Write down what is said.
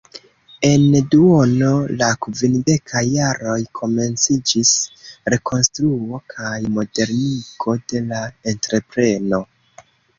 En duono de la kvindekaj jaroj komenciĝis rekonstruo kaj modernigo de la entrepreno.